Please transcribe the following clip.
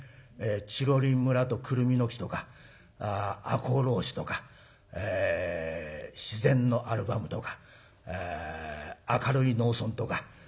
「チロリン村とくるみの木」とか「赤穂浪士」とか「自然のアルバム」とか「明るい農村」とか。